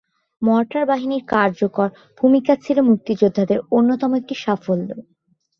Mortar বাহিনীর কার্যকর ভূমিকা ছিলো মুক্তিযোদ্ধাদের অন্যতম একটি সাফল্য।